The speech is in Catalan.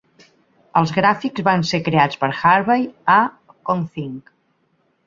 Els gràfics van ser creats per Harvey A. Kong Tin.